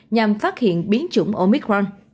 nhằm phát hiện biến chủng omicron